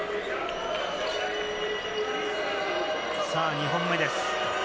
２本目です。